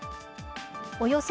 およそ